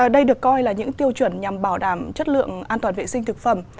đây được coi là những tiêu chuẩn nhằm bảo đảm chất lượng an toàn vệ sinh thực phẩm